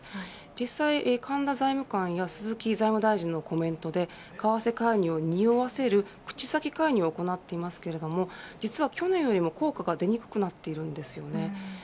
実際、神田財務官や鈴木財務大臣のコメントで為替介入をにおわせる口先介入を行っていますが実は去年よりも効果が出にくくなっているんですよね。